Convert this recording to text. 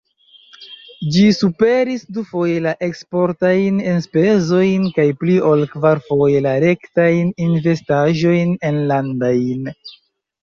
Ĝi superis dufoje la eksportajn enspezojn kaj pli ol kvarfoje la rektajn investaĵojn enlandajn.